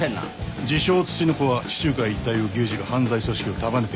自称ツチノコは地中海一帯を牛耳る犯罪組織を束ねている。